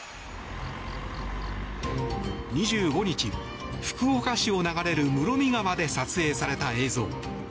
２５日、福岡市を流れる室見川で撮影された映像。